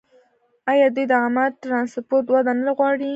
آیا دوی د عامه ټرانسپورټ وده نه غواړي؟